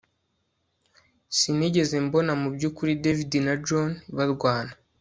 Sinigeze mbona mubyukuri David na John barwana